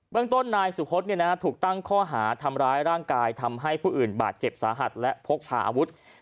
ต้นนายสุพธถูกตั้งข้อหาทำร้ายร่างกายทำให้ผู้อื่นบาดเจ็บสาหัสและพกพาอาวุธ